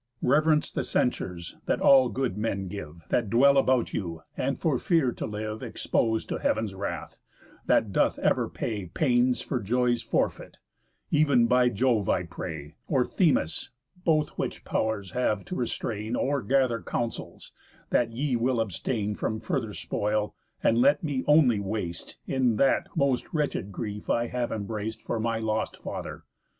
Rev'rence the censures that all good men give, That dwell about you; and for fear to live Expos'd to heav'n's wrath (that doth ever pay Pains for joys forfeit) even by Jove I pray, Or Themis, both which pow'rs have to restrain, Or gather, councils, that ye will abstain From further spoil, and let me only waste In that most wretched grief I have embrac'd For my lost father.